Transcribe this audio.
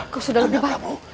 kau sudah lupa